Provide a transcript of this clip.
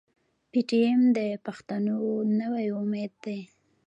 پي ټي ايم د پښتنو نوی امېد دی.